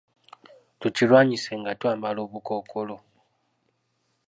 Tukirwanyise nga twambala obukookolo .